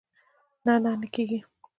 نه، نه کېږي